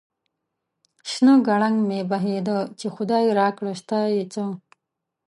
شنه گړنگ مې بهيده ، چې خداى راکړه ستا يې څه ؟